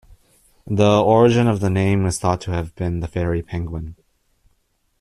The origin of the name is thought to have been the fairy penguin.